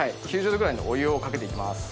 ９０度ぐらいのお湯をかけて行きます。